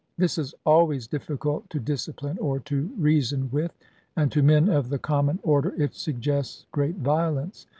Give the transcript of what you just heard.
This is always difficult to discipline or to reason with; and to men of the common order it suggests great violence.